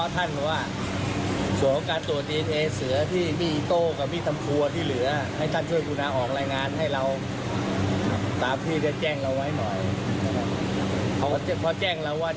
ท่านก็ไม่ได้ออกรายงานให้เราตั้งแต่วันสุด